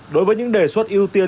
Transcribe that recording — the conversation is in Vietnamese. đối với những đề xuất ưu tiên